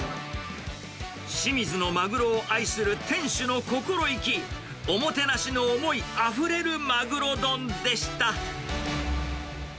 清水のマグロを愛する店主の心意気、おもてなしの思いあふれるマグロ丼でした。